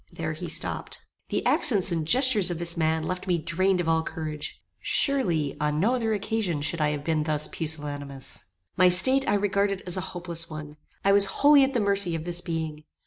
There he stopped. The accents and gestures of this man left me drained of all courage. Surely, on no other occasion should I have been thus pusillanimous. My state I regarded as a hopeless one. I was wholly at the mercy of this being.